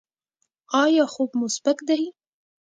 ایا خوب مو سپک دی؟